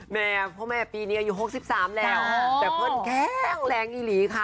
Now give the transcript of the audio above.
แม่พ่อแม่ปีนี้อายุ๖๓แล้วแต่เพื่อนแข็งแรงอีหลีค่ะ